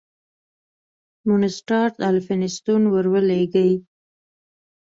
مونسټارټ الفینستون ور ولېږی.